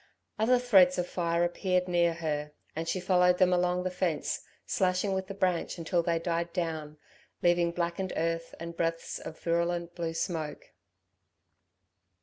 Other threads of fire appeared near her, and she followed them along the fence, slashing with the branch until they died down, leaving blackened earth and breaths of virulent blue smoke.